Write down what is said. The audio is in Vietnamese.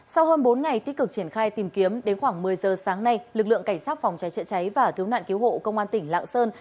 sau hơn bốn ngày tích cực triển khai tìm kiếm đến khoảng một mươi giờ sáng nay lực lượng cảnh sát phòng cháy chữa cháy và cứu nạn cứu hộ công an tỉnh lạng sơn